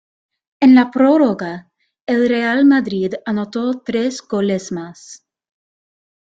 En la prórroga, el Real Madrid anotó tres goles más.